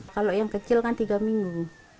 kalau yang kecil kan tiga minggu